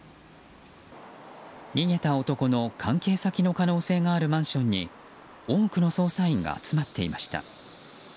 逃げた男の関係先の可能性があるマンションに多くの捜査員が集まっていました。